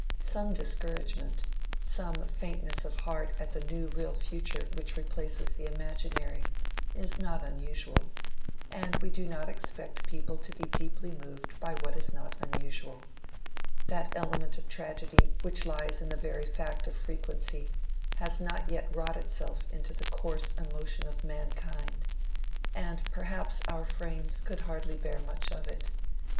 Some discouragement, some faintness of heart at the new real future which replaces the imaginary, is not unusual, and we do not expect people to be deeply moved by what is not unusual. That element of tragedy which lies in the very fact of frequency, has not yet wrought itself into the coarse emotion of mankind; and perhaps our frames could hardly bear much of it.